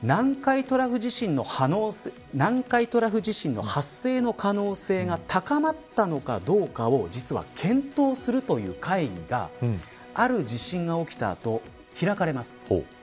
南海トラフ地震の発生の可能性が高まったのかどうかを実は検討するという会議がある地震が起きた後開かれます。